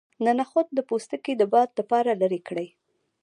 د نخود پوستکی د باد لپاره لرې کړئ